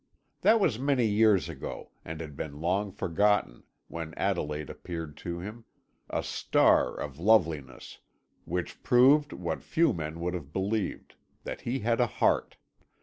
That was many years ago, and had been long forgotten, when Adelaide appeared to him, a star of loveliness, which proved, what few would have believed, that he had a heart.